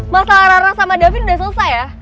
masalah rara sama david udah selesai ya